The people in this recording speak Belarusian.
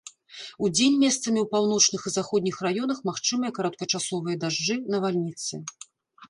Удзень месцамі ў паўночных і заходніх раёнах магчымыя кароткачасовыя дажджы, навальніцы.